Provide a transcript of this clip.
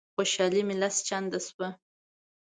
خوشالي مي لس چنده شوه.